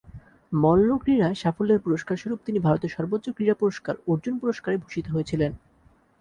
মল্লক্রীড়ায় সাফল্যের পুরস্কার স্বরূপ তিনি ভারতের সর্বোচ্চ ক্রীড়া পুরস্কার অর্জুন পুরস্কারে ভূষিত হয়েছিলেন।